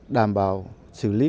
đảm bảo xử lý